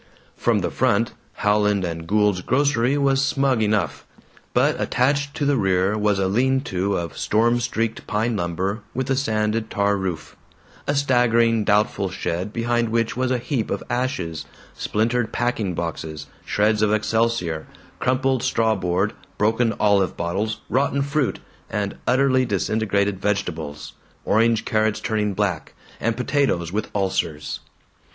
From the front, Howland & Gould's grocery was smug enough, but attached to the rear was a lean to of storm streaked pine lumber with a sanded tar roof a staggering doubtful shed behind which was a heap of ashes, splintered packing boxes, shreds of excelsior, crumpled straw board, broken olive bottles, rotten fruit, and utterly disintegrated vegetables: orange carrots turning black, and potatoes with ulcers.